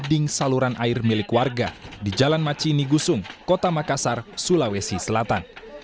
ding saluran air milik warga di jalan macini gusung kota makassar sulawesi selatan